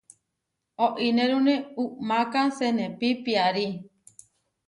Oínerune uʼmáka senepí piarí.